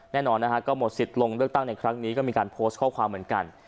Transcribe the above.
แน่นอนนะฮะก็หมดสิทธิ์ลงเลือกตั้งในครั้งนี้ก็มีการโพสต์ข้อความเหมือนกัน